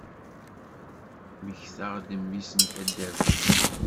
Mmektaɣ-d mmi-s n taddart-iw.